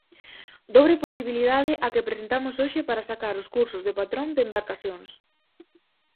Dobre posibilidade a que presentamos hoxe para sacar os cursos de patrón de embarcacións.